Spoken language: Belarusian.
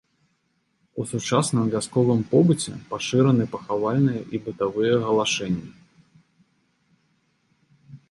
У сучасным вясковым побыце пашыраны пахавальныя і бытавыя галашэнні.